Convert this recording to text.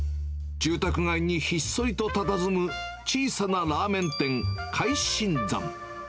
住宅街にひっそりとたたずむ小さなラーメン店、海新山。